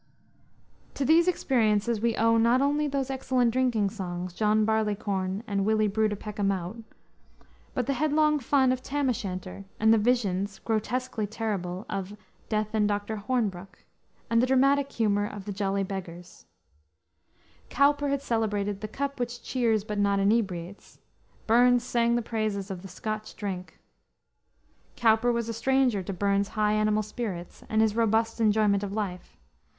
To these experiences we owe not only those excellent drinking songs, John Barleycorn and Willie Brewed a Peck o' Maut, but the headlong fun of Tam O'Shanter, and the visions, grotesquely terrible, of Death and Dr. Hornbook, and the dramatic humor of the Jolly Beggars. Cowper had celebrated "the cup which cheers but not inebriates." Burns sang the praises of Scotch Drink. Cowper was a stranger to Burns's high animal spirits, and his robust enjoyment of life.